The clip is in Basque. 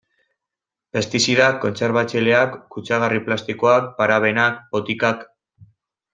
Pestizidak, kontserbatzaileak, kutsagarri plastikoak, parabenak, botikak...